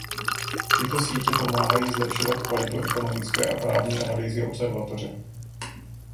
Tyto sítě pomáhají zlepšovat kvalitu ekonomické a právní analýzy observatoře.